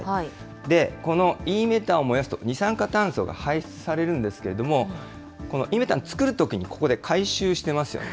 このイーメタンを燃やすと二酸化炭素が排出されるんですけれども、このイーメタン作るときに、ここで回収してますよね。